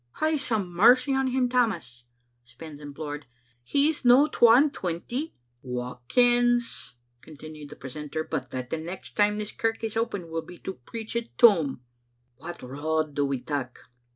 "Hae some mercy on him, Tammas," Spens im plored. " He's no twa and twenty." "Wha kens," continued the precentor, "but that the next time this kirk is opened will be to preach it toom?" " What road do we tak'